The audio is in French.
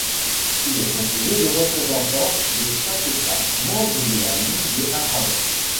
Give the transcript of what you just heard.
Il est composé de représentants de chaque État membre de la Ligue arabe.